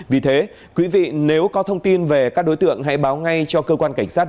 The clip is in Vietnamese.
vì thế quý vị nếu có thông tin về các đối tượng hãy báo ngay cho cơ quan cảnh sát